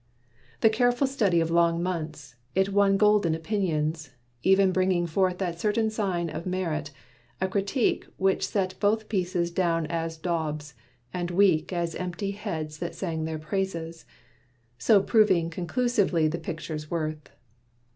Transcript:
The careful study of long months, it won Golden opinions; even bringing forth That certain sign of merit a critique Which set both pieces down as daubs, and weak As empty heads that sang their praises so Proving conclusively the pictures' worth.